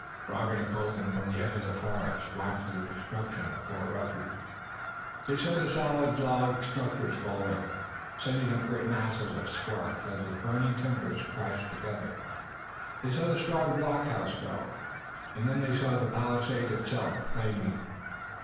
Robert and Colden, from the edge of the forest, watched the destruction of Fort Refuge. They saw the solid log structures fall in, sending up great masses of sparks as the burning timbers crashed together. They saw the strong blockhouse go, and then they saw the palisade itself flaming.